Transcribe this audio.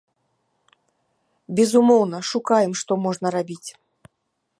Безумоўна, шукаем, што можна рабіць.